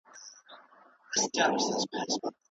موږ په ګډه پروژې کوو.